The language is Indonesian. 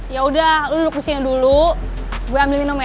yaudah lo duduk di sini dulu gue ambil minum ya